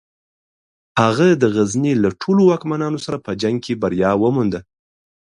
هغه د غزني له ټولو واکمنانو سره په جنګ کې بریا ومونده.